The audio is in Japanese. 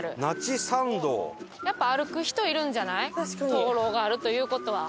灯籠があるという事は。